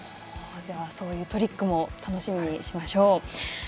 そういうトリックも楽しみにしましょう。